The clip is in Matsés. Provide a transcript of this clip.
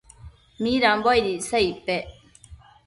midambo aid icsa icpec ?